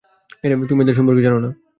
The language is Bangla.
তুমি এদের সম্পর্কে জানো না।